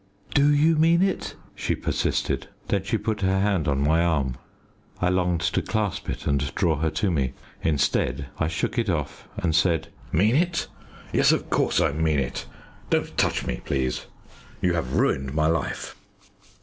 "Do you mean it?" she persisted. Then she put her hand on my arm. I longed to clasp it and draw her to me. Instead, I shook it off, and said "Mean it? Yes of course I mean it. Don't touch me, please! You have ruined my life."